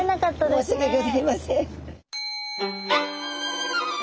申し訳ギョざいません。